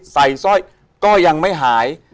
สร้อยก็ยังไม่หาย